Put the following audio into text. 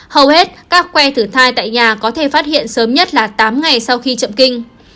hầu hết các que thử thai tại nhà có thể phát hiện sớm nhất là tám ngày sau khi chậm kinh